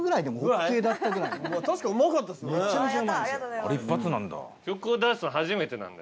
あれ一発なんだ。